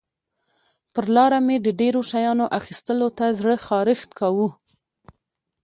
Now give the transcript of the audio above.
پر لاره مې د ډېرو شیانو اخیستلو ته زړه خارښت کاوه.